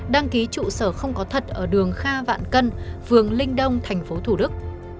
đăng ký trụ sở không có thật ở đường kha vạn cân phường linh đông tp thủ đức